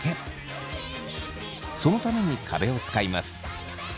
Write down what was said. そのために壁を使います。